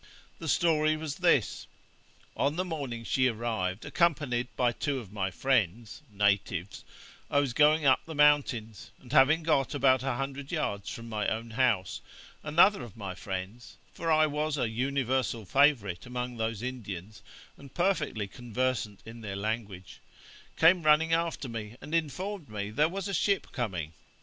The story was this: On the morning she arrived, accompanied by two of my friends (natives), I was going up the mountains, and having got about a hundred yards from my own house, another of my friends (for I was an universal favourite among those Indians, and perfectly conversant in their language) came running after me, and informed me there was a ship coming.